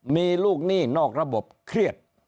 มีลูกหนี้นอกระบบเครียด